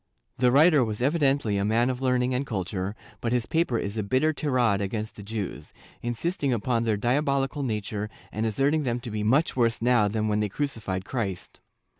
The writer was evidently a man of learning and culture, but his paper is a bitter tirade against the Jews, insisting upon their diabolical nature and asserting them to be much worse now than when they crucified Christ.